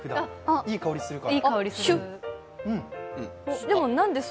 いい香りするから。